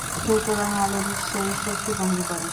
সুতরাং আলো নিশ্চয়ই শক্তি বহন করে।